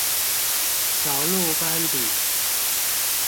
小鹿斑比